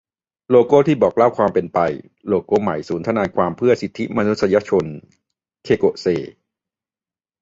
โลโก้ที่บอกเล่าความเป็นไป : โลโก้ใหม่ศูนย์ทนายความเพื่อสิทธิมนุษยชน - เคโกะ เซ